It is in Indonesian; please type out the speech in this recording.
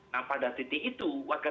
nah pada titik itu